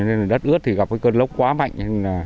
nên là đất ướt thì gặp cái cơn lốc quá mạnh